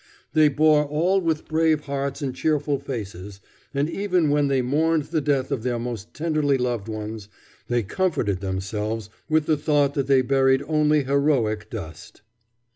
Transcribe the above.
They bore all with brave hearts and cheerful faces, and even when they mourned the death of their most tenderly loved ones, they comforted themselves with the thought that they buried only heroic dust.